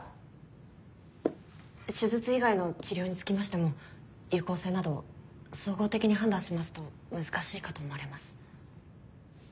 手術以外の治療につきましても有効性など総合的に判断しますと難しいかと思われます。